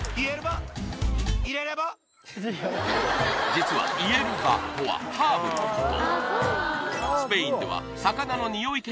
実は「イエルバ」とは「ハーブ」のこと